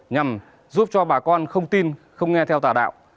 nhằm giúp cho bà con không tin không nghe theo tà đạo